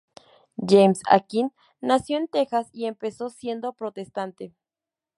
James Akin nació en Texas y empezó siendo protestante.